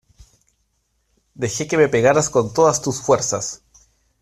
deje que me pegaras con todas tus fuerzas.